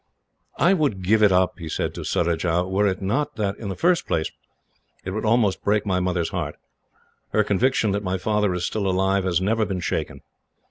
"I would give it up," he said to Surajah, "were it not that, in the first place, it would almost break my mother's heart. Her conviction that my father is still alive has never been shaken.